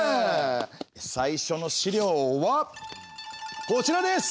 最初の資料はこちらです！